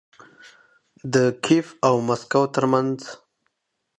د کیف او مسکو ترمنځ